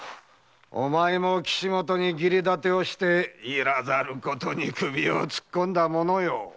お前も岸本に義理立てしていらぬことに首を突っ込んだものよ。